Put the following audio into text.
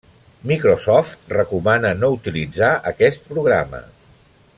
Microsoft recomana no utilitzar aquest programa.